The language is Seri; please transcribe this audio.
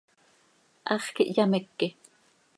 Hax quih hyameque.